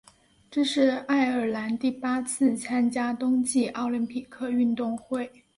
这是爱尔兰第八次参加冬季奥林匹克运动会。